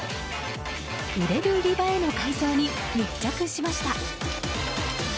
売れる売り場への改造に密着しました。